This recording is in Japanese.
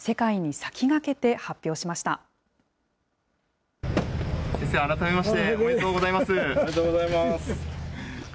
先生、改めましておめでとうございます。